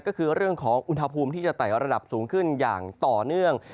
ก็คือเรื่องของอุณหภูมิที่จะไต่ระดับสูงขึ้นอย่างต่อเนื่อง